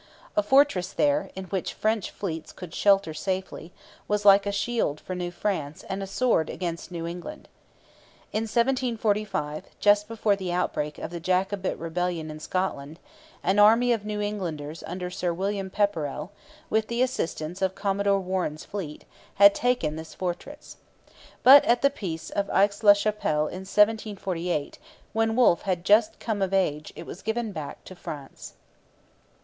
A fortress there, in which French fleets could shelter safely, was like a shield for New France and a sword against New England. In 1745, just before the outbreak of the Jacobite rebellion in Scotland, an army of New Englanders under Sir William Pepperrell, with the assistance of Commodore Warren's fleet, had taken this fortress. But at the peace of Aix la Chapelle in 1748, when Wolfe had just come of age, it was given back to France.